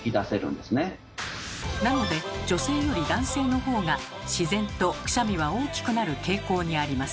なので女性より男性のほうが自然とくしゃみは大きくなる傾向にあります。